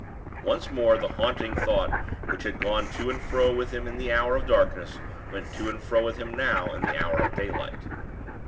Once more the haunting thought which had gone to and fro with him in the hour of darkness went to and fro with him now in the hour of daylight.